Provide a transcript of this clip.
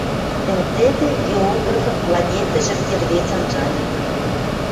Дӓ тӹдӹ географын планетӹжӹм йӹрвец анжальы.